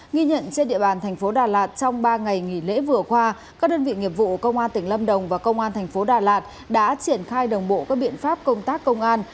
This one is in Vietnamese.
nghi nhận trên địa bàn thành phố đà lạt trong ba ngày nghỉ lễ vừa qua các đơn vị nghiệp vụ công an tỉnh lâm đồng và công an thành phố đà lạt đã triển khai đồng bộ các biện pháp công tác công an